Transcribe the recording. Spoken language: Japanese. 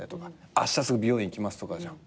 「あしたすぐ美容院行きます」とかじゃん。